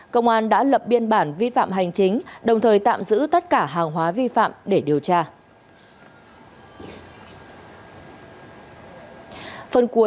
công an đã lập biên bản vi phạm hành chính đồng thời tạm giữ tất cả hàng hóa vi phạm để điều tra